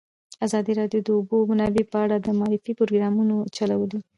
ازادي راډیو د د اوبو منابع په اړه د معارفې پروګرامونه چلولي.